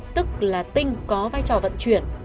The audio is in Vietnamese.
tức là tinh có vai trò vận chuyển